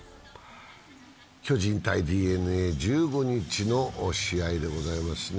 巨人×ＤｅＮＡ、１５日の試合でございますね。